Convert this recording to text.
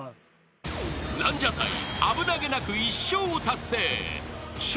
［ランジャタイ危なげなく１笑を達成］［笑